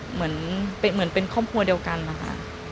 เหมือนเป็นครอบครัวเดียวกันนะคะ